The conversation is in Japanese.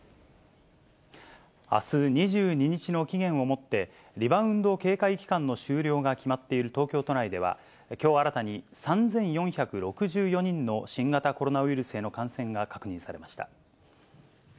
あす２２日の期限をもって、リバウンド警戒期間の終了が決まっている東京都内では、きょう新たに３４６４人の新型コロナウイルスへの感染が確認されました。